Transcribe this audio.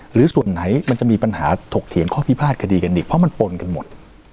หรือส่วนไหนมันจะมีปัญหาถกเถียงข้อพิพาทคดีกันอีกเพราะมันปนกันหมด